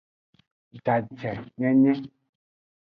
Jajenyenye.